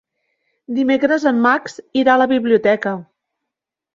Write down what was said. Dimecres en Max irà a la biblioteca.